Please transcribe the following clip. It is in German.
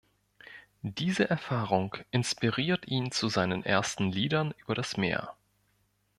Diese Erfahrung inspiriert ihn zu seinen ersten Liedern über das Meer.